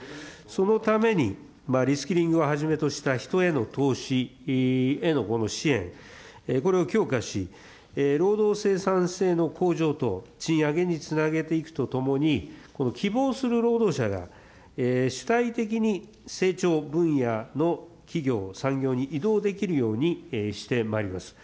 そのために、リスキリングをはじめとした人への投資への支援、これを強化し、労働生産性の向上と賃上げにつなげていくとともに、希望する労働者が主体的に成長分野の企業、産業に移動できるようにしてまいります。